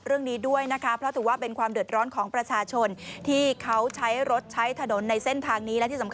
เรื่องนี้ด้วยนะคะเพราะที่